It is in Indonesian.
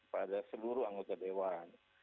pada seluruh anggota dewan